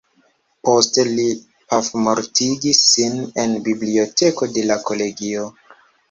Poste li pafmortigis sin en biblioteko de la kolegio.